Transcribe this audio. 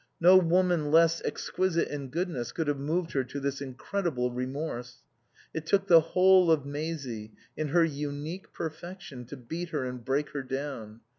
No woman less exquisite in goodness could have moved her to this incredible remorse. It took the whole of Maisie, in her unique perfection, to beat her and break her down.